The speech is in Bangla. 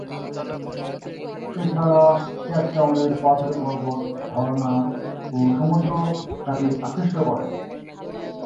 এছাড়া কেপটাউনের পাথুরে পর্বত, ঝর্ণা ও সমুদ্র তাকে আকৃষ্ট করে।